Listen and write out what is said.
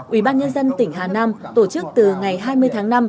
ubnd tỉnh hà nam tổ chức từ ngày hai mươi tháng năm